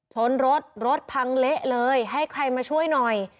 ชนรถรถพังเละเลยให้ใครมาช่วยหน่อย